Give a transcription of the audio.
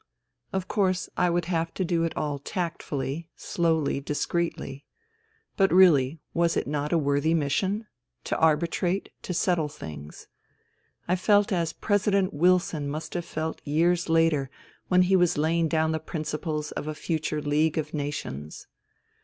Of course, I would have to do it all tactfully, slowly, discreetly. But really, was it not a worthy mission ? To arbitrate ; to settle things. I felt as President Wilson must have felt years later when he was laying down the principles of a future League of Nations.